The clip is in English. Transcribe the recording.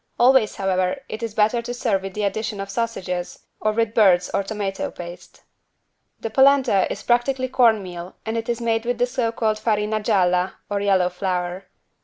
Always, however, it is better to serve with the addition of sausages, or with birds or tomato paste. The =polenta= is practically cornmeal and it is made with the so called =farina gialla= or yellow flour.